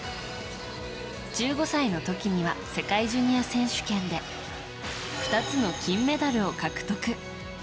１５歳の時には世界ジュニア選手権で２つの金メダルを獲得。